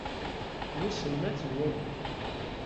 Wissen ma ad tt-nwali?